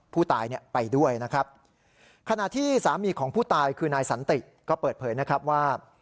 ผู้ตายเนี่ยไปด้วยนะครับขณะที่สามีของผู้ตายคือนายสันติก็เปิดเผยนะครับว่า